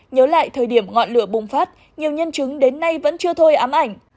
nhớ lại thời điểm ngọn lửa bùng phát nhiều nhân chứng đến nay vẫn chưa thôi ám ảnh